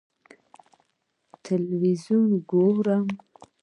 ه تلویزیون ګورم.